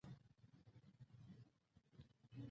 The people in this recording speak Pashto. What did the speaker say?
پښتانه باید د خپلې ژبې د ودې لپاره کار وکړي.